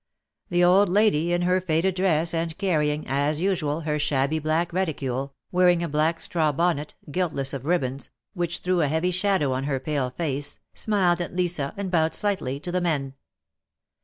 The old lady, in her faded dress, and carrying, as usual, her shabby black reticule, wearing a black straw bonnet, guiltless of ribbons, which threw a heavy shadow on her pale face, smiled at Lisa and bowed slightly to the men.